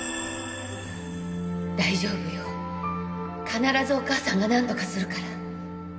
大丈夫よ必ずお母さんがなんとかするから。